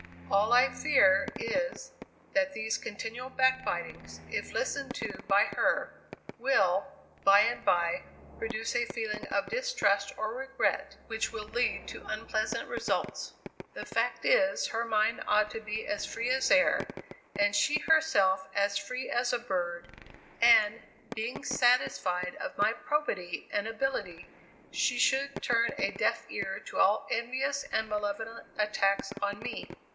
All I fear is, that these continual backbitings, if listened to by her, will, by and by, produce a feeling of distrust or regret, which will lead to unpleasant results. The fact is, her mind ought to be as free as air, and she herself as free as a bird, and, being satisfied of my probity and ability, she should turn a deaf ear to all envious and malevolent attacks on me.